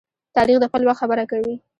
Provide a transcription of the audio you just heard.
تاریخ د خپل وخت خبره کوي.